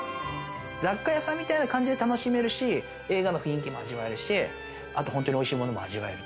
雑貨屋さんみたいな感じで楽しめるし、映画の雰囲気も味わえるし、美味しいものも味わえる。